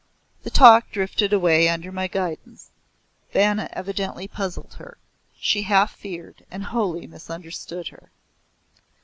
The talk drifted away under my guidance. Vanna evidently puzzled her. She half feared, and wholly misunderstood her.